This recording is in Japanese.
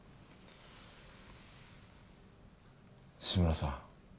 志村さん